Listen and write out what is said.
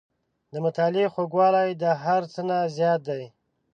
• د مطالعې خوږوالی د هر څه نه زیات دی.